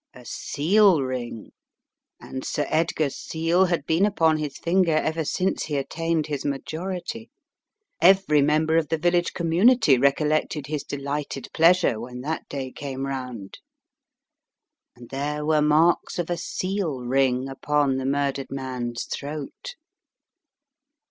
A seal ring? And Sir Edgar's seal had been upon his finger ever since he attained his majority! Every member of the village community recollected his delighted pleasure when that day came round. ..• And there were marks of a seal ring upon the murdered man's throat.